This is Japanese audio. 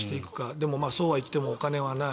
でも、そうはいってもお金はない。